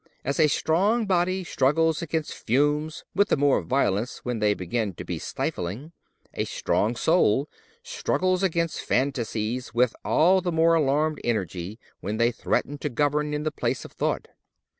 As a strong body struggles against fumes with the more violence when they begin to be stifling, a strong soul struggles against phantasies with all the more alarmed energy when they threaten to govern in the place of thought.